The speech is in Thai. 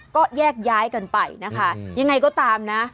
ก็แยกย้ายกันไปนะคะยังไงก็ตามนะ